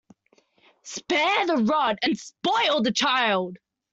Spare the rod and spoil the child.